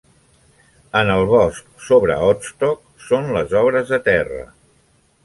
En el bosc sobre Odstock són les obres de terra.